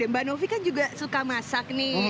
mbak novi kan juga suka masak nih